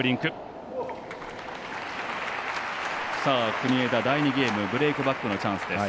国枝、第２ゲームブレークバックのチャンスです。